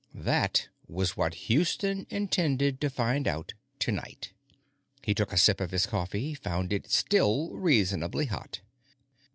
That was what Houston intended to find out tonight. He took a sip of his coffee, found it still reasonably hot.